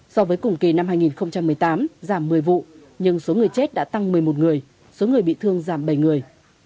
so với cùng kỳ năm hai nghìn một mươi tám giảm một mươi vụ nhưng số người chết đã tăng một mươi một người số người bị thương giảm bảy người